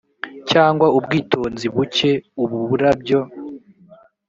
cyangwa ubwitonzi buke ububuraburyo